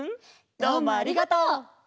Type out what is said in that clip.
どうもありがとう！